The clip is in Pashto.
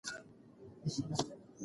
وخت په وخت به یې پر کور کړلی پوښتني